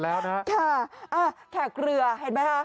ค่าค่ะแขกเรือเห็นไหมคะ